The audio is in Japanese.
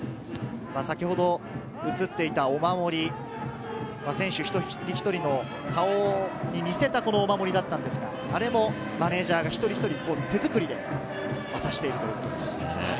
先ほど映っていたお守り、選手一人一人の顔に似せたお守りだったんですが、あれもマネジャーが一人一人て作りで渡しているということです。